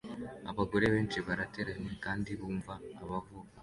Abagore benshi barateranye kandi bumva abavuga